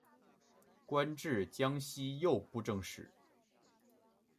官至江西右布政使。